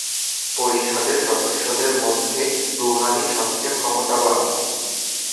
পরিষদের সদস্যদের মধ্যে রুহানি সবচেয়ে ক্ষমতাবান।